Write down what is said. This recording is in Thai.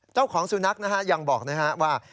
เจ้าของสุนัขนะฮะยังบอกนะฮะว่า